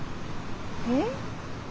えっ？